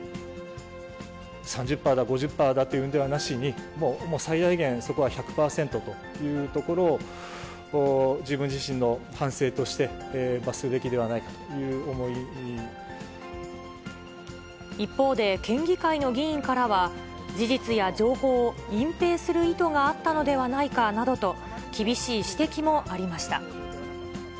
３０％だ５０％だということではなしに、もう最大限、そこは１００％というところを、自分自身の反省として、一方で、県議会の議員からは、事実や情報を隠蔽する意図があったのではないかなどと厳しい指摘もありました。